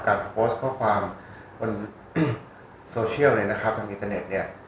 การโพสต์ข้อความบนโซเชียลเลยนะครับทางอินเทอร์เน็ตเนี่ย